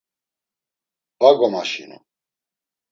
Va gomaşinu.